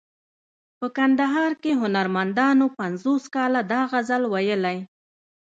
په کندهار کې هنرمندانو پنځوس کاله دا غزل ویلی.